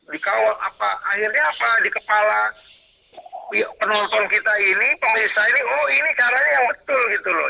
dikawal apa akhirnya apa di kepala penonton kita ini pemirsa ini oh ini caranya yang betul gitu loh